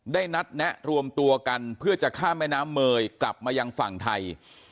ได้นัดแนะรวมตัวกันเพื่อจะข้ามแม่น้ำเมยกลับมายังฝั่งไทย